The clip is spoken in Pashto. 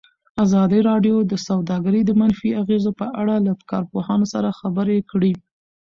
ازادي راډیو د سوداګري د منفي اغېزو په اړه له کارپوهانو سره خبرې کړي.